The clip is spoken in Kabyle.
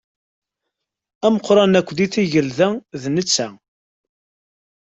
Ameqqran akk di tgelda, d netta.